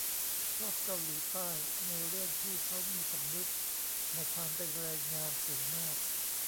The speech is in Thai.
ชอบเกาหลีใต้ในเรื่องที่เค้ามีสำนึกในความเป็นแรงงานสูงมาก